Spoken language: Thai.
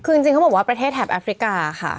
คือจริงเขาบอกว่าประเทศแถบแอฟริกาค่ะ